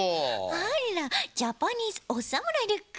あらジャパニーズおさむらいルックよ。